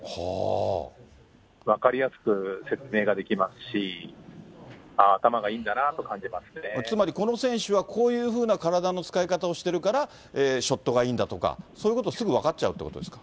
分かりやすく説明ができますし、つまりこの選手は、こういうふうな体の使い方をしているから、ショットがいいんだとか、そういうことをすぐ分かっちゃうということですか。